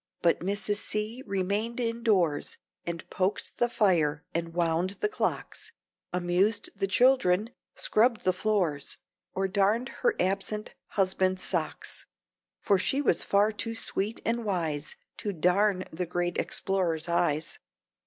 But Mrs. C. remained indoors, And poked the fire and wound the clocks, Amused the children, scrubbed the floors, Or darned her absent husband's socks. (For she was far too sweet and wise To darn the great explorer's eyes.)